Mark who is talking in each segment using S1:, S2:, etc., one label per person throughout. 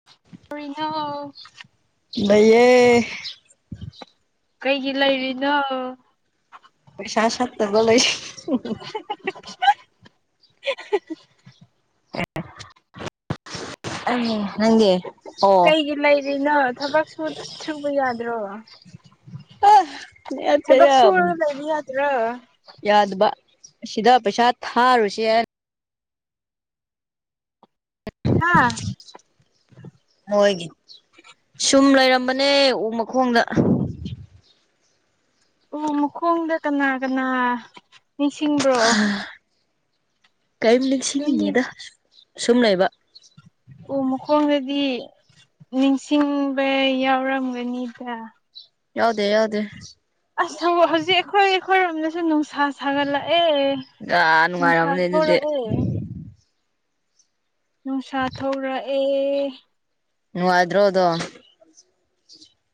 S1: [unintelligible]
S2: ꯂꯩꯌꯦ
S1: ꯀꯩꯒꯤ ꯂꯩꯔꯤꯅꯣ
S2: ꯄꯩꯁꯥ ꯁꯠꯇꯕ ꯂꯩ ꯑ ꯅꯪꯗꯤ ꯑꯣ
S1: ꯀꯩꯒꯤ ꯂꯩꯔꯤꯅꯣ ꯊꯕꯛ ꯁꯨ ꯁꯨꯕ ꯌꯥꯗ꯭ꯔꯣ ꯊꯕꯛ
S2: ꯅꯠꯇꯦꯗ
S1: ꯁꯨꯔ ꯂꯩꯕ ꯌꯥꯗ꯭ꯔꯣ
S2: ꯌꯥꯗꯕ ꯁꯤꯗ ꯄꯩꯁꯥ ꯊꯥꯔꯨꯁꯦ ꯍꯥꯏꯔ
S1: ꯍꯥꯥ
S2: ꯃꯣꯏꯒꯤ ꯁꯨꯝ ꯂꯩꯔꯝꯕꯅꯦ ꯎ ꯃꯈꯣꯡꯗ
S1: ꯎ ꯃꯈꯣꯡꯗ ꯀꯅꯥ ꯀꯅꯥ ꯅꯤꯡꯁꯤꯡꯕ꯭ꯔꯣ
S2: ꯀꯔꯤꯝ
S1: ꯃꯤ
S2: ꯅꯤꯡꯁꯤꯡꯗꯦꯗ ꯁꯨꯝ ꯂꯩꯕ
S1: ꯎ ꯃꯈꯣꯡꯗꯗꯤ ꯅꯤꯡꯁꯤꯡꯕ ꯌꯥꯎꯔꯝꯒꯅꯤꯗ
S2: ꯌꯥꯎꯗꯦ ꯌꯥꯎꯗꯦ
S1: ꯑꯁ ꯍꯧꯖꯤꯛ ꯑꯩꯈꯣꯏ ꯑꯩꯈꯣꯏꯔꯣꯝꯗꯁꯨ ꯅꯨꯡꯁꯥ ꯁꯥꯒꯠꯂꯛꯑꯦ
S2: ꯑꯥ
S1: ꯅꯨꯡꯁꯥ
S2: ꯅꯨꯡꯉꯥꯏꯔꯝꯅꯤ ꯑꯗꯨꯗꯤ
S1: ꯊꯣꯔꯛꯑꯦ ꯅꯨꯡꯁꯥ ꯊꯣꯔꯛꯑꯦ
S2: ꯅꯨꯡꯉꯥꯏꯗ꯭ꯔꯣ ꯑꯗꯣ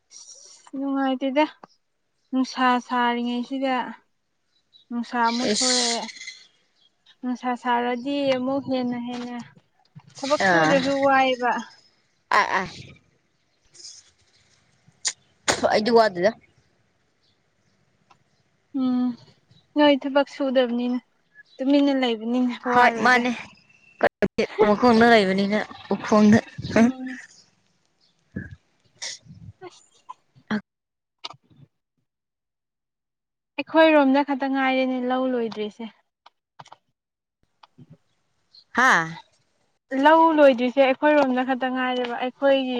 S1: ꯑꯁ ꯅꯨꯡꯉꯥꯏꯇꯦꯗ ꯅꯨꯡꯁꯥ ꯁꯥꯔꯤꯉꯩꯁꯤꯗ ꯅꯨꯡꯁꯥ ꯑꯃꯨꯛ
S2: ꯏꯁ
S1: ꯊꯣꯔꯛꯑꯦ ꯅꯨꯡꯁꯥ ꯁꯥꯔꯗꯤ ꯑꯃꯨꯛ ꯍꯦꯟꯅ ꯍꯦꯟꯅ ꯊꯕꯛ
S2: ꯑꯥ
S1: ꯁꯨꯗ꯭ꯔꯁꯨ ꯋꯥꯏꯑꯦꯕ
S2: ꯑꯥ ꯑꯥ [unintelligible] ꯑꯩꯗꯤ ꯋꯥꯗꯦꯗ
S1: ꯎꯝ ꯅꯣꯏ ꯊꯕꯛ ꯁꯨꯗꯕꯅꯤꯅ ꯇꯨꯃꯤꯟꯅ ꯂꯩꯕ
S2: ꯍꯣꯏ ꯃꯥꯅꯦ [inaudible] ꯃꯈꯣꯡꯅ ꯂꯩꯕꯅꯤꯅ ꯎꯈꯣꯡꯗ
S1: ꯎꯝ ꯑꯁ [inaudible] ꯑꯩꯈꯣꯏꯔꯣꯝꯗ ꯈꯛꯇ ꯉꯥꯏꯔꯦꯅꯦ ꯂꯧ ꯂꯣꯏꯗ꯭ꯔꯤꯁꯦ
S2: ꯍꯥꯥ
S1: ꯂꯧ ꯂꯣꯏꯗ꯭ꯔꯤꯁꯦ ꯑꯩꯈꯣꯏꯔꯣꯝꯗ ꯈꯛꯇ ꯉꯥꯏꯔꯦꯕ ꯑꯩ ꯑꯩꯈꯣꯏꯒꯤ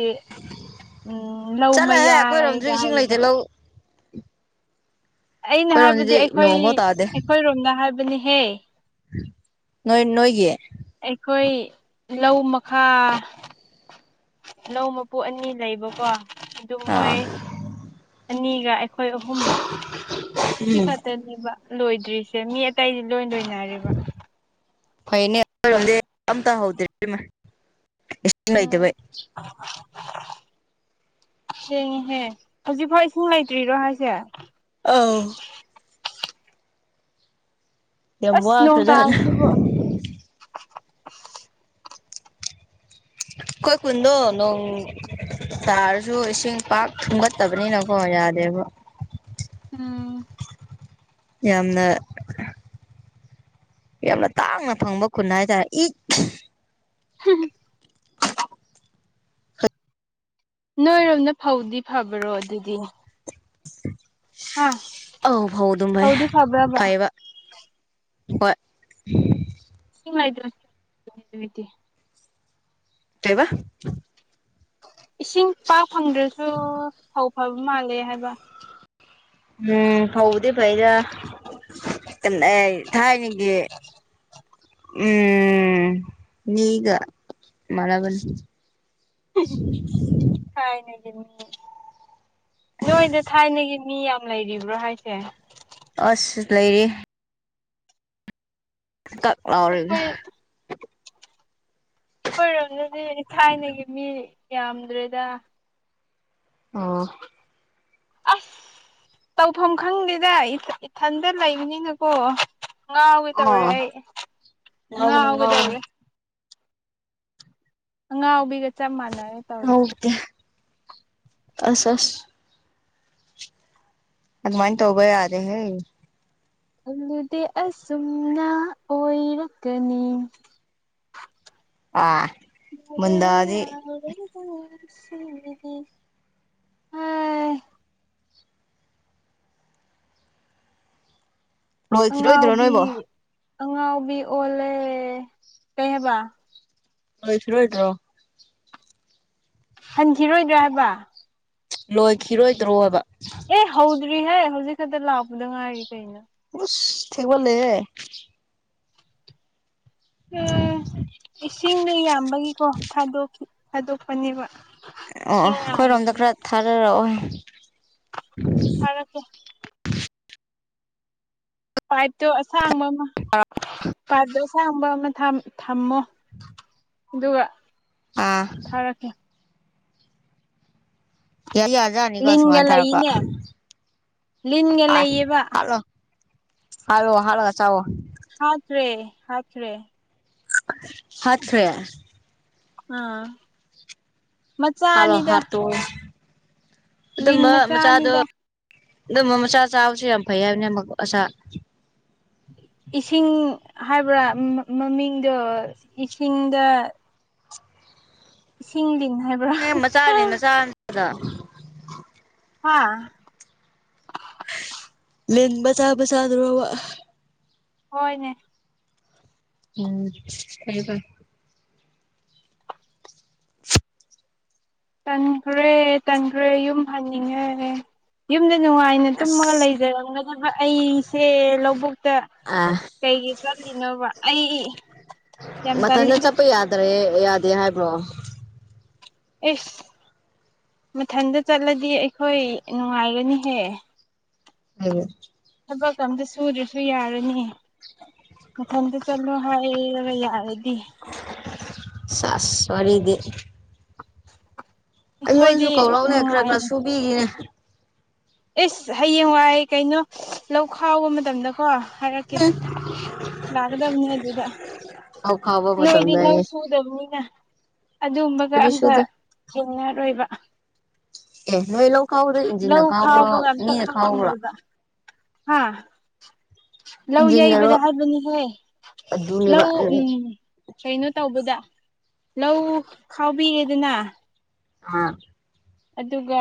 S1: [inaudible] ꯎꯝ ꯂꯧ
S2: ꯆꯠꯂꯍꯦ
S1: ꯃꯌꯥꯏꯒ
S2: ꯑꯩꯈꯣꯏꯔꯣꯝꯗꯁꯨ ꯏꯁꯤꯡ
S1: ꯍꯥꯏꯒꯗ꯭ꯔꯥ
S2: ꯂꯩꯇꯦ ꯂꯧ
S1: ꯑꯩꯅ ꯍꯥꯏꯕꯗꯤ
S2: ꯑꯩꯈꯣꯏꯔꯣꯝꯗꯗꯤ
S1: ꯑꯩꯈꯣꯏ
S2: ꯅꯣꯡꯐꯥꯎ ꯇꯥꯗꯦ
S1: ꯑꯩꯈꯣꯏꯔꯣꯝꯗ ꯍꯥꯏꯕꯅꯤꯍꯦ
S2: [inaudible] ꯅꯣꯏ ꯅꯣꯏꯒꯤ
S1: ꯑꯩꯈꯣꯏ ꯂꯧ ꯃꯈꯥ ꯂꯧ ꯃꯄꯨ ꯑꯅꯤ ꯂꯩꯕꯀꯣ ꯑꯗꯨ
S2: ꯑꯥ
S1: ꯃꯣꯏ [inaudible] ꯑꯅꯤꯒ ꯑꯩꯈꯣꯏ ꯑꯍꯨꯝ ꯁꯤ ꯈꯛꯇꯅꯦꯕ ꯂꯣꯏꯗ꯭ꯔꯤꯁꯦ ꯃꯤ ꯑꯇꯩꯗꯤ ꯂꯣꯏ ꯂꯣꯏꯅꯔꯦꯕ
S2: ꯐꯩꯅꯦ ꯑꯩꯈꯔꯣꯝꯗꯤ ꯑꯃꯇ ꯍꯧꯗ꯭ꯔꯦ ꯏꯕꯦꯝꯃꯥ ꯏꯁꯤꯡ ꯂꯩꯇꯕꯩ
S1: [unintelligible] ꯁꯤꯛꯉꯤꯍꯦ ꯍꯧꯖꯤꯛꯐꯥꯎ ꯏꯁꯤꯡ ꯂꯩꯇ꯭ꯔꯤꯔꯣ ꯍꯥꯏꯁꯦ
S2: ꯑꯥꯎ ꯌꯥꯝ
S1: ꯑꯁ
S2: ꯋꯥꯈ꯭ꯔꯖꯥꯠꯅꯤ
S1: ꯅꯣꯛꯇꯔꯤꯁꯤꯕꯨ [inaudible]
S2: ꯑꯩꯀꯣꯏ ꯈꯨꯟꯗꯣ ꯅꯣꯡ ꯇꯥꯔꯁꯨ ꯏꯁꯤꯡ ꯄꯥꯛ ꯊꯨꯡꯒꯠꯇꯕꯅꯤꯅꯀꯣ ꯌꯥꯗꯦꯕ
S1: ꯎꯝ
S2: ꯌꯥꯝꯅ [inaudible] ꯌꯥꯝꯅ ꯇꯥꯡꯅ ꯐꯪꯕ ꯈꯨꯟ ꯍꯥꯏꯇꯥꯔꯦ ꯏꯛ ꯈꯤ
S1: ꯍꯝ ꯅꯣꯏꯔꯣꯝꯅ ꯐꯧꯗꯤ ꯐꯕꯔꯣ ꯑꯗꯨꯗꯤ ꯍꯥ
S2: ꯑꯥꯎ ꯐꯥꯎ ꯑꯗꯨꯝ ꯚꯥꯏ
S1: ꯐꯧꯗꯤ ꯐꯕ꯭ꯔꯕ
S2: ꯐꯩꯕ [inaudible] ꯍꯣꯏ
S1: ꯅꯨꯉꯥꯏꯇꯦ [inaudible]
S2: ꯀꯩꯕ
S1: ꯏꯁꯤꯡ ꯄꯥꯛ ꯐꯪꯗ꯭ꯔꯁꯨ ꯐꯧ ꯐꯕ ꯃꯥꯜꯂꯦ ꯍꯥꯏꯕ
S2: ꯎꯝ ꯐꯧꯕꯨꯗꯤ ꯐꯩꯗ ꯇꯝꯅꯩ ꯊꯥꯏꯅꯒꯤ ꯎꯝ ꯃꯤꯒꯥ ꯃꯟꯅꯕꯁꯤ [inaudible]
S1: ꯊꯥꯏꯅꯒꯤ ꯃꯤ [inaudible] ꯅꯣꯏꯗ ꯊꯥꯏꯅꯒꯤ ꯃꯤ ꯌꯥꯝ ꯂꯩꯔꯤꯕ꯭ꯔꯣ ꯍꯥꯏꯁꯦ
S2: ꯑꯁ ꯂꯩꯔꯤ ꯀꯛ ꯂꯥꯎꯔꯒ
S1: ꯑꯩꯈꯣꯏ ꯑꯩꯈꯣꯏꯔꯣꯝꯗꯗꯤ ꯊꯥꯏꯅꯒꯤ ꯃꯤ ꯌꯥꯝꯗ꯭ꯔꯦꯗ
S2: ꯑꯣ
S1: ꯑꯁ ꯇꯧꯐꯝ ꯈꯪꯗꯦꯗ ꯏꯊꯟ ꯏꯊꯟꯗ ꯂꯩꯕꯅꯤꯅꯀꯣ ꯉꯥꯎꯒ
S2: ꯑꯣ
S1: ꯇꯧꯔꯦ ꯑꯩ
S2: ꯉꯥꯎꯒꯅꯨ ꯉꯥꯎꯒꯅꯨ
S1: ꯉꯥꯎꯒꯗꯧꯔꯦ ꯑꯉꯥꯎꯕꯤꯒ ꯆꯞ ꯃꯥꯟꯅꯔꯦ ꯇꯧꯔꯤꯁꯦ
S2: ꯉꯥꯎꯕꯗꯤ [inaudible] ꯑꯁ ꯑꯁ ꯑꯗꯨꯃꯥꯏꯅ ꯇꯧꯕ ꯌꯥꯗꯦꯍꯦ
S1: ꯈꯥꯜꯂꯨꯗꯦ ꯑꯁꯨꯝꯅ ꯑꯣꯏꯔꯛꯀꯅꯤ
S2: ꯑꯥ ꯃꯣꯟꯗꯥꯗꯤ꯫
S1: [unintelligible] ꯍꯥꯏ
S2: ꯂꯣꯏꯈꯤꯔꯣꯏꯗ꯭ꯔꯣ
S1: ꯑꯉꯥꯎꯕꯤ
S2: ꯅꯣꯏꯕꯣ
S1: ꯑꯉꯥꯎꯕꯤ ꯑꯣꯜꯂꯦ ꯀꯩ ꯍꯥꯏꯕ꯫
S2: ꯂꯣꯏꯈꯤꯔꯣꯏꯗ꯭ꯔꯣ꯫
S1: ꯍꯟꯈꯤꯔꯣꯏꯗ꯭ꯔꯥ ꯍꯥꯏꯕ꯫
S2: ꯂꯣꯏꯈꯤꯔꯣꯏꯗ꯭ꯔꯣꯕ꯫
S1: ꯑꯦ ꯍꯧꯗ꯭ꯔꯤꯍꯦ ꯍꯧꯖꯤꯛ ꯈꯛꯇ ꯂꯥꯛꯄꯗ ꯉꯥꯏꯔꯤ ꯀꯩꯅꯣ꯫
S2: ꯑꯁ ꯊꯦꯡꯃꯜꯂꯦꯍꯦ꯫
S1: ꯑ ꯏꯁꯤꯡꯗꯣ ꯌꯥꯝꯕꯒꯤꯀꯣ ꯊꯥꯗꯣꯛꯈꯤ ꯊꯥꯗꯣꯛꯄꯅꯦꯕ꯫
S2: ꯑꯣ
S1: ꯁꯤ
S2: ꯑꯩꯈꯣꯏꯔꯣꯝꯗ ꯈꯔ
S1: ꯉꯥꯏꯔꯤꯅꯦꯕ
S2: ꯊꯥꯔꯔꯛꯑꯣ꯫
S1: ꯊꯥꯔꯛꯀꯦ꯫ ꯄꯥꯏꯞꯇꯣ ꯑꯁꯥꯡꯕ ꯑꯃ ꯄꯥꯏꯞꯇꯣ ꯑꯁꯥꯡꯕ ꯑꯃ ꯊꯝ ꯊꯝꯃꯣ꯫ ꯑꯗꯨꯒ
S2: ꯑꯥ꯫
S1: ꯊꯥꯔꯛꯀꯦ꯫
S2: ꯌꯥꯗꯤ ꯌꯥꯖꯥꯠꯅꯤꯀꯣ
S1: ꯂꯤꯟꯒ
S2: ꯁꯨꯃꯥꯏꯅ ꯊꯥꯔꯛꯄ
S1: ꯂꯩꯅꯦ ꯂꯤꯟꯒ
S2: ꯑꯥꯏ
S1: ꯂꯩꯌꯦꯕ
S2: ꯍꯥꯠꯂꯣ꯫ ꯍꯥꯠꯂꯣ ꯍꯥꯠꯂꯒ ꯆꯥꯋꯣ꯫
S1: ꯍꯥꯠꯈ꯭ꯔꯦ ꯍꯥꯠꯈ꯭ꯔꯦ꯫
S2: ꯍꯥꯠꯈ꯭ꯔꯦ꯫
S1: ꯑꯥ
S2: ꯍꯥꯠꯂꯣ
S1: ꯃꯆꯥꯅꯤꯗ꯫
S2: ꯍꯥꯠꯇꯣꯛꯑꯣ
S1: ꯂꯤꯟ
S2: ꯑꯗꯨꯝꯕ ꯃꯆꯥꯗꯣ
S1: ꯃꯆꯥꯅꯤꯗ
S2: ꯑꯗꯨꯝꯕ ꯃꯆꯥ ꯆꯥꯕꯁꯨ ꯌꯥꯝ ꯐꯩ ꯍꯥꯏꯕꯅꯦ ꯑꯃꯛ ꯑꯆꯥ
S1: ꯏꯁꯤꯡ ꯍꯥꯏꯕ꯭ꯔꯥ ꯃꯃꯤꯡꯗꯣ ꯏꯁꯤꯡꯗ ꯏꯁꯤꯡ ꯂꯤꯟ ꯍꯥꯏꯕ꯭ꯔꯥ꯫
S2: ꯑꯦ ꯃꯆꯥꯅꯦ ꯅꯆꯥ [inaudible] ꯗ
S1: ꯍꯥꯥ꯫
S2: ꯂꯤꯟ ꯃꯆꯥꯥ ꯃꯆꯥꯗꯨꯔꯣꯕ꯫
S1: ꯍꯣꯏꯅꯦ꯫
S2: ꯎꯝ [unintelligible]
S1: ꯇꯟꯈ꯭ꯔꯦ ꯇꯟꯈ꯭ꯔꯦ ꯌꯨꯝ ꯍꯟꯅꯤꯡꯉꯦ ꯌꯨꯝꯗ ꯅꯨꯡꯉꯥꯏ ꯅ ꯇꯨꯝꯃꯒ ꯂꯩꯖꯔꯝꯒꯗꯕ ꯑꯩꯁꯦ ꯂꯧꯕꯨꯛ ꯇ
S2: ꯑꯥ
S1: ꯀꯩꯒꯤ ꯆꯠꯂꯤꯅꯣꯕ ꯑꯩ ꯌꯥꯝ ꯇꯜꯂꯤꯗ꯫
S2: ꯇ꯭ꯔꯦ ꯌꯥꯗꯦ ꯍꯥꯏꯕ꯭ꯔꯣ꯫
S1: ꯑꯦꯁ ꯃꯊꯟꯗ ꯆꯠꯂꯗꯤ ꯑꯩꯈꯣꯏ ꯅꯨꯡꯉꯥꯏꯒꯅꯤꯍꯦ꯫
S2: [unintelligible]
S1: ꯊꯕꯛꯀ ꯑꯝꯇ ꯁꯨꯗ꯭ꯔꯁꯨ ꯌꯥꯔꯅꯤ꯫ ꯃꯊꯟꯗ ꯆꯠꯂꯣ ꯍꯥꯏꯔꯒ ꯌꯥꯔꯗꯤ꯫
S2: ꯁꯥꯁ ꯋꯥꯔꯤꯗꯤ꯫
S1: [inaudible]
S2: ꯑꯩꯉꯣꯟꯗꯁꯨ
S1: ꯑꯩꯈꯣꯏꯗꯤ
S2: ꯀꯧꯔꯛꯎꯅꯦ ꯈꯔ ꯈꯔ
S1: ꯅꯨꯡꯉꯥꯏꯅ
S2: ꯁꯨꯕꯤꯒꯦ꯫
S1: ꯑꯦꯁ ꯍꯌꯦꯡꯋꯥꯏ ꯀꯩꯅꯣ ꯂꯧ ꯈꯥꯎꯕ ꯃꯇꯝꯗꯀꯣ ꯍꯥꯏꯔꯀꯦ ꯂꯥꯛꯀꯗꯕꯅꯤ ꯑꯗꯨꯗ꯫
S2: ꯂꯧ ꯈꯥꯎꯕ
S1: ꯅꯣꯏꯗꯤ
S2: ꯃꯇꯝꯗ ꯑꯩ
S1: ꯂꯧ ꯁꯨꯗꯕꯅꯤꯅ꯫ ꯑꯗꯨꯒꯨꯝꯕꯒ
S2: ꯑꯩꯈꯣꯏꯗꯤ
S1: ꯑꯝꯇ
S2: ꯁꯨꯗꯦ
S1: ꯊꯦꯡꯅꯔꯣꯏꯕ꯫
S2: ꯑꯦ ꯅꯣꯏ ꯂꯧ ꯈꯥꯎꯕꯗꯣ ꯏꯟꯖꯤꯟꯅ
S1: ꯂꯧ
S2: ꯈꯥꯎꯕ꯭ꯔꯣ
S1: ꯈꯥꯎꯕꯒ ꯑꯝꯇ
S2: ꯃꯤꯅ ꯈꯥꯎꯕ꯭ꯔꯣ
S1: ꯈꯪꯉꯝꯃꯣꯏꯕ ꯍꯥ꯫ ꯂꯧ ꯌꯩꯕꯗ
S2: ꯏꯟꯖꯤꯟꯅꯔꯣ
S1: ꯍꯥꯏꯕꯅꯤꯍꯦ ꯂꯧ ꯎꯝ ꯀꯩꯅꯣ ꯇꯧꯕꯗ ꯂꯧ ꯈꯥꯎꯕꯤꯔꯦꯗꯅ
S2: ꯍꯥꯥ
S1: ꯑꯗꯨꯒ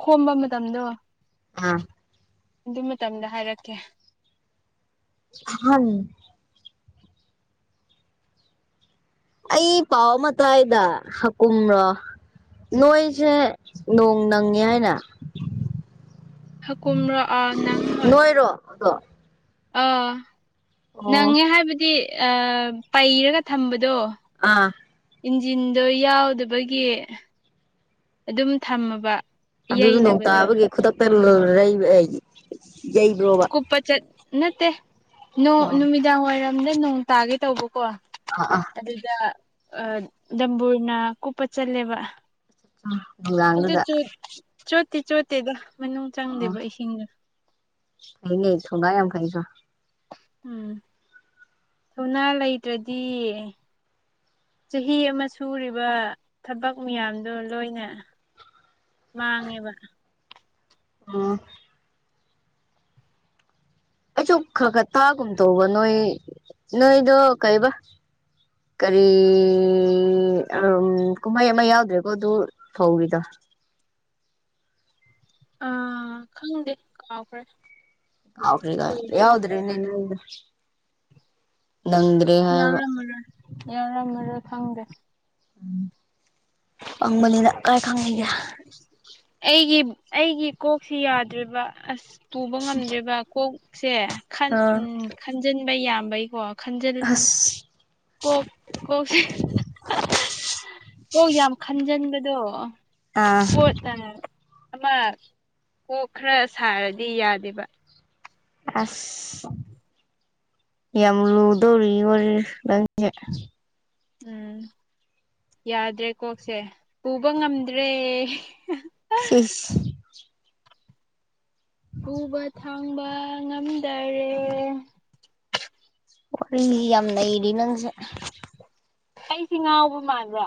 S1: ꯈꯣꯝꯕ ꯃꯇꯝꯗꯣ
S2: ꯑꯥ
S1: ꯑꯗꯨ ꯃꯇꯝꯗ ꯍꯥꯏꯔꯛꯀꯦ
S2: ꯑꯍꯝ ꯑꯩ ꯄꯥꯎ ꯑꯃ ꯇꯥꯏ ꯗ ꯍꯥꯀꯨꯝꯔꯣ ꯅꯣꯏꯁꯦ ꯅꯣꯡ ꯅꯪꯉꯦ ꯍꯥꯏꯅ
S1: ꯍꯀꯨꯝꯔꯣ ꯑꯥ ꯅꯪꯉꯦ ꯍꯣꯏ
S2: ꯍꯗꯣ
S1: ꯑꯥ
S2: ꯑꯣ
S1: ꯅꯪꯉꯦ ꯍꯥꯏꯕꯗꯤ ꯄꯩꯔꯒ ꯊꯝꯕꯗꯣ
S2: ꯑꯥ
S1: ꯏꯟꯖꯤꯟꯗꯣ ꯌꯥꯎꯗꯕꯒꯤ ꯑꯗꯨꯝ ꯊꯝꯃꯕ
S2: ꯑꯗꯨꯗ ꯅꯣꯡ
S1: ꯌꯩꯅꯕꯗꯣ
S2: ꯇꯥꯕꯒꯤ ꯈꯨꯗꯛꯇ ꯌꯩꯕ꯭ꯔꯣꯕ
S1: ꯀꯨꯞꯄ ꯆꯠ ꯅꯠꯇꯦ ꯅꯣꯡ
S2: ꯑꯣ
S1: ꯅꯨꯃꯤꯗꯥꯡ ꯋꯥꯏꯔꯝꯗ ꯅꯣꯡ ꯇꯥꯒꯦ ꯇꯧꯕꯀꯣ
S2: ꯑ ꯑ
S1: ꯑꯗꯨꯗ ꯗꯝꯕꯨꯔꯅ ꯀꯨꯞꯄ ꯆꯠꯂꯦꯕ
S2: ꯑꯥ
S1: ꯑꯗꯨꯁꯨ ꯆꯣꯠꯇꯤ ꯆꯣꯠꯇꯦꯗ ꯃꯅꯨꯡ
S2: ꯑꯣ
S1: ꯆꯪꯗꯦꯕ ꯏꯁꯤꯡꯗꯣ
S2: ꯐꯩꯅꯦ ꯊꯧꯅꯥ ꯌꯥꯝ ꯐꯩꯀꯣ
S1: ꯎꯝ ꯊꯧꯅꯥ ꯂꯩꯇ꯭ꯔꯗꯤ ꯆꯍꯤ ꯑꯃ ꯁꯨꯔꯤꯕ ꯊꯕꯛ ꯃꯌꯥꯝꯗꯣ ꯂꯣꯏꯅ ꯃꯥꯡꯉꯦꯕ
S2: ꯑꯣ ꯑꯩꯁꯨ ꯈꯔ ꯈꯔ ꯇꯥꯒꯨꯝ ꯇꯧꯕ ꯅꯣꯏ ꯅꯣꯏꯗꯣ ꯀꯩꯕ ꯀꯔꯤ ꯑꯝ ꯀꯨꯝꯍꯩ ꯑꯃ ꯌꯥꯎꯗ꯭ꯔꯦꯀꯣ ꯑꯗꯨ ꯐꯧꯒꯤꯗꯣ
S1: ꯑꯥ ꯈꯪꯗꯦ ꯀꯥꯎꯈ꯭ꯔꯦ
S2: ꯀꯥꯎꯈꯔꯦ ꯀꯥꯏ
S1: ꯀꯨꯏꯔꯦꯅꯦ
S2: ꯌꯥꯎꯗꯔꯦꯅꯦ ꯅꯣꯏꯗꯣ ꯅꯪꯗꯔꯦ
S1: ꯌꯥꯎꯔꯝꯃꯔꯣꯏ ꯌꯥꯎꯔꯝꯃꯔꯣꯏ ꯈꯪꯗꯦ
S2: ꯄꯪꯕꯅꯦꯅ ꯀꯥꯏ ꯈꯪꯅꯤꯒꯦ
S1: ꯑꯩꯒꯤ ꯑꯩꯒꯤ ꯀꯣꯛꯁꯦ ꯌꯥꯗ꯭ꯔꯦꯕ ꯑꯁ ꯄꯨꯕ ꯉꯝꯗ꯭ꯔꯦꯕ ꯀꯣꯛꯁꯦ
S2: ꯑꯥ
S1: ꯎꯝ ꯈꯟꯖꯤꯟꯕ ꯌꯥꯝꯕꯩꯀꯣ ꯈꯟꯖꯟ
S2: ꯑꯁ
S1: ꯀꯣꯛ ꯀꯣꯛꯁꯦ ꯀꯣꯛ ꯌꯥꯝ ꯈꯟꯖꯤꯟꯕꯗꯣ
S2: ꯑꯥ
S1: ꯄꯣꯠ ꯑ ꯑꯃ ꯀꯣꯛ ꯈꯔ ꯁꯥꯔꯗꯤ ꯌꯥꯗꯦꯕ
S2: ꯑꯁ ꯌꯥꯝ ꯂꯨꯗꯧꯔꯤ ꯋꯥꯔꯤ ꯅꯪꯖꯦ
S1: ꯎꯝ ꯌꯥꯗ꯭ꯔꯦ ꯀꯣꯛꯁꯦ ꯄꯨꯕ ꯉꯝꯗ꯭ꯔꯦ
S2: ꯁꯤꯁ
S1: ꯄꯨꯨꯕ ꯊꯥꯡꯕ ꯉꯝꯗꯔꯦ
S2: ꯋꯥꯔꯤꯖꯦ ꯌꯥꯝ ꯅꯩꯔꯤ ꯅꯪꯖꯦ
S1: ꯑꯩꯁꯦ ꯉꯥꯎꯕ ꯃꯥꯟꯕ꯭ꯔꯣ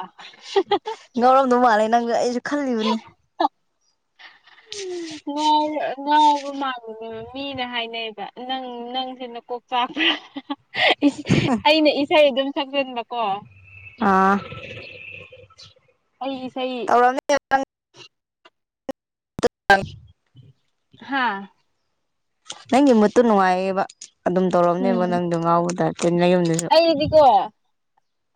S2: ꯉꯥꯎꯔꯝꯗꯧ ꯃꯥꯜꯂꯦ ꯅꯪꯖꯦ ꯑꯩꯁꯨ ꯈꯜꯂꯤꯕꯅꯦ
S1: ꯍ ꯎꯝ ꯉꯥꯎꯕ ꯉꯥꯎꯕ ꯃꯥꯥꯟꯂꯨꯔꯦꯕ ꯃꯤꯅ ꯍꯥꯏꯅꯩꯕ ꯅꯪ ꯅꯪꯁꯦ ꯅꯀꯣꯛ ꯆꯥꯛꯄ꯭ꯔꯥ ꯏꯁ ꯑꯩꯅ ꯏꯁꯩ ꯑꯗꯨꯝ ꯁꯛꯆꯤꯟꯕꯀꯣ
S2: ꯑꯥ
S1: ꯑꯩ ꯏꯁꯩ
S2: [unintelligible] [unintelligible]
S1: ꯍꯥꯥ
S2: ꯅꯪꯒꯤ ꯃꯨꯠꯇꯣ ꯅꯨꯡꯉꯥꯏꯌꯦꯕ ꯑꯗꯨꯝ ꯇꯧꯔꯝꯅꯦꯕꯣ
S1: ꯎꯝ
S2: ꯅꯪꯗꯣ ꯉꯥꯎꯕ ꯇꯥꯏꯞꯇ ꯅꯌꯨꯝꯗꯁꯨ
S1: ꯑꯩꯗꯤꯀꯣ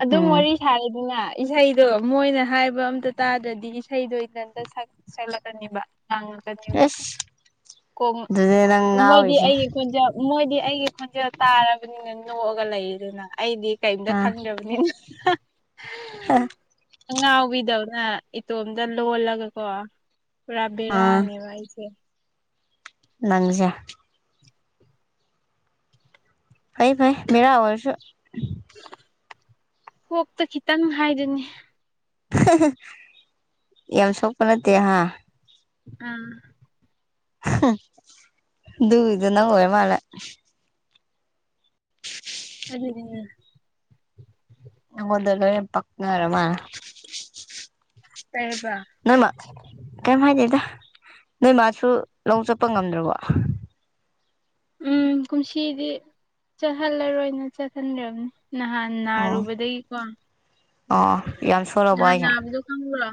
S1: ꯑꯗꯨꯝ
S2: ꯎꯝ
S1: ꯋꯥꯔꯤ ꯁꯥꯔꯦꯗꯅ ꯏꯁꯩꯗꯣ ꯃꯣꯏꯅ ꯍꯥꯏꯕ ꯑꯝꯇ ꯇꯥꯗ꯭ꯔꯗꯤ ꯏꯁꯩꯗꯣ ꯏꯇꯟꯇ ꯁꯛ ꯁꯛꯂꯛꯀꯅꯤꯕ ꯅꯪ
S2: ꯑꯦꯁ ꯑꯗꯨꯅꯦ ꯅꯪ
S1: [unintelligible] ꯃꯣꯏꯗꯤ
S2: ꯉꯥꯎꯔꯤꯁꯦ
S1: ꯑꯩꯗꯤ ꯈꯣꯟꯖꯦꯜ ꯃꯣꯏꯗꯤ ꯑꯩꯒꯤ ꯈꯣꯟꯖꯦꯜ ꯇꯥꯔꯕꯅꯤꯅ ꯅꯣꯛꯑꯒ ꯂꯩꯔꯦꯗꯅ ꯑꯩꯗꯤ ꯀꯔꯤꯃꯇ ꯈꯪꯗ꯭ꯔꯕꯅꯤ [unintelligible]
S2: ꯍꯥ
S1: ꯑꯉꯥꯎꯕꯤꯗꯧꯅ ꯏꯇꯣꯝꯇ ꯂꯣꯜꯂꯒꯀꯣ ꯄꯨꯔꯥ
S2: ꯑꯥ
S1: ꯕꯦꯔꯥꯅꯦꯕ ꯑꯩꯁꯦ
S2: ꯅꯪꯁꯦ ꯐꯩ ꯐꯩ ꯚꯦꯔꯥ ꯑꯣꯏꯔꯁꯨ
S1: ꯀꯣꯛꯇ ꯈꯤꯇꯪ ꯍꯥꯏꯗꯨꯅꯤ
S2: ꯌꯥꯝ ꯁꯣꯛꯄ ꯅꯠꯇꯦ ꯍꯥ
S1: ꯎꯝ
S2: ꯑꯗꯨꯒꯤꯗꯣ ꯅꯪ ꯑꯣꯏꯔꯃꯥꯜꯂꯦ
S1: ꯑꯗꯨꯗꯤꯅꯦ
S2: ꯅꯉꯣꯟꯗ ꯂꯣꯏꯅ ꯄꯛꯅꯔ ꯃꯥꯜꯂꯦ
S1: ꯀꯩꯕ
S2: ꯅꯣꯏꯃꯥ ꯀꯩꯝ ꯍꯥꯏꯗꯦꯗ ꯅꯣꯏ ꯃꯥꯁꯨ ꯂꯧ ꯆꯠꯄ ꯉꯝꯗ꯭ꯔꯕꯣ
S1: ꯎꯝ ꯀꯨꯝꯁꯤꯗꯤ ꯆꯠꯍꯜꯂꯔꯣꯏꯅ ꯆꯠꯍꯟꯗ꯭ꯔꯕꯅꯤ ꯅꯍꯥꯟ
S2: ꯑꯣ
S1: ꯅꯥꯔꯨꯕꯗꯩꯀꯣ
S2: ꯑꯣ ꯌꯥꯝ ꯁꯣꯜꯂꯕꯣ
S1: ꯅꯍꯥꯟ
S2: ꯍꯥꯏꯁꯦ
S1: ꯅꯥꯕꯗꯣ ꯈꯪꯕ꯭ꯔꯣ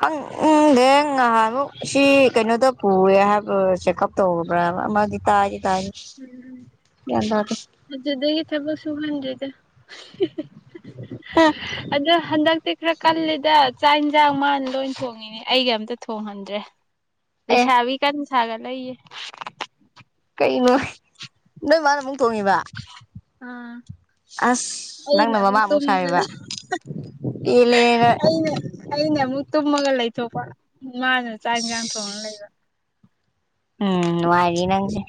S2: ꯈꯪꯗꯦ ꯉꯍꯥꯟꯃꯨꯛ ꯁꯤ ꯀꯩꯅꯣꯗ ꯄꯨꯑꯦ ꯍꯥꯏꯕ ꯆꯦꯛꯀꯞ ꯇꯧꯕ꯭ꯔꯥꯕ ꯃꯥꯗꯤ ꯇꯥꯗꯤ ꯇꯥꯌꯦ
S1: ꯑꯗꯨꯗꯒꯤ ꯊꯕꯛ ꯁꯨꯨꯍꯟꯗ꯭ꯔꯦꯗ
S2: [unintelligible]
S1: ꯑꯗꯣ ꯍꯟꯗꯛꯇꯤ ꯈꯔ ꯀꯜꯂꯤꯦꯗ ꯆꯥꯛ ꯏꯟꯁꯥꯡ ꯃꯥꯅ ꯂꯣꯏ ꯊꯣꯡꯉꯤ ꯑꯩꯒ ꯑꯝꯇ ꯊꯣꯡꯍꯟꯗ꯭ꯔꯦ
S2: ꯑꯦ
S1: ꯂꯩꯁꯥꯕꯤ ꯀꯟꯅ ꯁꯥꯒꯠꯂꯛꯏꯌꯦ
S2: ꯀꯩꯅꯣ ꯅꯣꯏ ꯃꯥꯅ ꯑꯃꯨꯛ ꯊꯣꯡꯉꯤꯕ
S1: ꯑꯥ
S2: ꯑꯁ
S1: ꯑꯩꯅ
S2: ꯅꯪꯅ ꯃꯃꯥ
S1: ꯑꯃꯨꯛ ꯇꯨꯝꯃꯒ
S2: ꯁꯥꯔꯤꯕ
S1: ꯂꯩ
S2: ꯄꯦꯜꯂꯦꯅ
S1: ꯑꯩꯅ ꯑꯩꯅ ꯑꯃꯨꯛ ꯇꯨꯝꯃꯒ ꯂꯩꯊꯣꯛꯄ ꯃꯥꯅ ꯆꯥꯛ ꯌꯦꯟꯁꯥꯡ ꯊꯣꯡꯉ ꯂꯩꯕ
S2: ꯎꯝ ꯅꯨꯡꯉꯥꯏꯔꯤ ꯅꯪꯁꯦ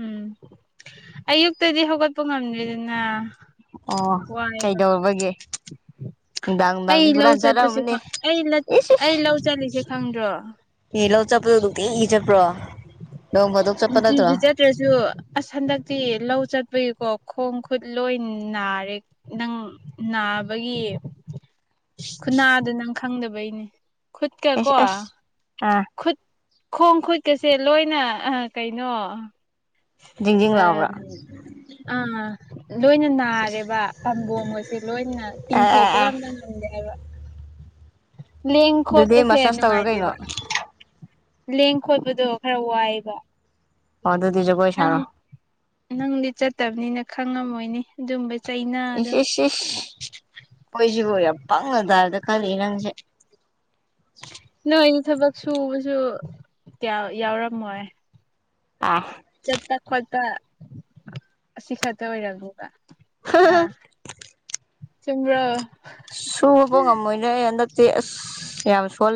S1: ꯎꯝ ꯑꯌꯨꯛꯇꯗꯤ ꯍꯧꯒꯠꯄ ꯉꯝꯗ꯭ꯔꯦꯗꯅ
S2: ꯑꯣ
S1: ꯋꯥꯏꯕ
S2: ꯀꯩꯗꯧꯔꯨꯕꯒꯤ ꯅꯨꯡꯗꯥꯡ
S1: ꯑꯩ
S2: ꯅꯨꯡꯗꯥꯡꯗꯤ
S1: ꯂꯧ
S2: ꯍꯨꯔꯥꯟ
S1: ꯆꯠꯄꯁꯦ
S2: ꯆꯠꯂꯝꯃꯅꯤ
S1: ꯑꯩ
S2: ꯏꯁ ꯏꯁ
S1: ꯑꯩ ꯂꯧ ꯆꯠꯂꯤꯁꯦ ꯈꯪꯗ꯭ꯔꯣ
S2: ꯌꯦ ꯂꯧ ꯆꯠꯄꯗꯣ ꯅꯨꯡꯇꯤꯒꯤ ꯆꯠꯄ꯭ꯔꯣ ꯅꯣꯡ ꯐꯥꯗꯣꯛ ꯆꯠꯄ ꯅꯠꯇ꯭ꯔꯣ
S1: ꯅꯨꯡꯇꯤꯒꯤ ꯆꯠ ꯇ꯭ꯔꯁꯨ ꯑꯁ ꯍꯟꯗꯛꯇꯤ ꯂꯧ ꯆꯠꯄꯒꯤꯀꯣ ꯈꯣꯡ ꯈꯨꯠ ꯂꯣꯏ ꯅꯥꯔꯦ ꯅꯪ ꯅꯥꯕꯒꯤ ꯈꯨꯅꯥꯗ ꯅꯪ ꯈꯪꯗꯕꯩꯅꯦ ꯈꯨꯠꯀ ꯀꯣ
S2: ꯑꯦꯁ ꯑꯁ ꯑꯥ
S1: ꯈꯨꯠ ꯈꯣꯡ ꯈꯨꯠꯀꯁꯦ ꯂꯣꯏꯅ ꯀꯩꯅꯣ
S2: ꯖꯤꯡ ꯖꯤꯡ ꯂꯥꯎꯕ꯭ꯔ
S1: ꯑꯥ ꯂꯣꯏꯅ ꯅꯥꯔꯦꯕ ꯄꯥꯝꯕꯣꯝꯒꯁꯦ ꯂꯣꯏꯅ
S2: ꯑꯥ ꯑꯥ
S1: ꯇꯤꯡꯊꯣꯛꯄꯒ
S2: ꯑꯥ
S1: ꯑꯝꯇ ꯉꯝꯗꯦ [unintelligible] ꯂꯦꯡ
S2: ꯑꯗꯨꯗꯤ
S1: ꯈꯣꯠꯄꯁꯦ
S2: ꯃꯁꯥꯁ ꯇꯧꯔꯣ ꯀꯩꯅꯣ
S1: ꯅꯨꯡꯉꯥꯏꯇꯦꯕ ꯂꯦꯡ ꯈꯣꯠꯄꯗꯣ ꯈꯔ ꯋꯥꯏꯕ
S2: ꯑꯣ ꯑꯗꯨꯗꯤ ꯖꯒꯣꯏ ꯁꯥꯔꯣ
S1: ꯅꯪꯗꯤ ꯆꯠꯇꯕꯅꯤꯅ ꯈꯪꯉꯝꯃꯣꯏꯅꯦ ꯑꯗꯨꯝꯕ ꯆꯩꯅꯥꯗꯣ
S2: ꯏꯁ ꯏꯁ ꯑꯩꯈꯣꯏꯁꯤꯕꯨ ꯌꯥꯝ ꯄꯪꯉ ꯗꯥꯏꯞꯇ ꯈꯜꯂꯤ ꯅꯪꯁꯦ
S1: ꯅꯣꯏꯗꯤ ꯊꯕꯛ ꯁꯨꯕꯁꯨ ꯀꯌꯥ ꯌꯥꯎꯔꯝꯃꯣꯏ
S2: ꯑꯥ
S1: ꯆꯠꯄ ꯈꯣꯠꯄ ꯑꯁꯤ ꯈꯛꯇ ꯑꯣꯏꯔꯝꯅꯤꯕ ꯍꯥ ꯆꯨꯝꯕ꯭ꯔꯣ
S2: ꯁꯨꯕꯕꯧ ꯉꯝꯃꯣꯏꯗ ꯑꯩ ꯍꯟꯗꯛꯇꯤ ꯑꯁ ꯌꯥꯝ ꯁꯣꯜ